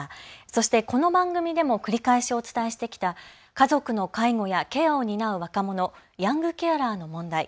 そしてこの番組でも繰り返しお伝えしてきた家族の介護やケアを担う若者、ヤングケアラーの問題。